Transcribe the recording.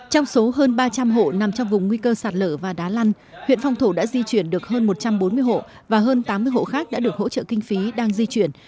trong số hơn ba trăm linh hộ nằm trong vùng nguy cơ sạt lở và đá lăn huyện phong thổ đã di chuyển được hơn một trăm bốn mươi hộ và hơn tám mươi hộ khác đã được hỗ trợ kinh phí đang di chuyển